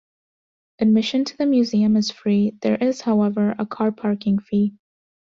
Admission to the museum is free; there is however a car parking fee.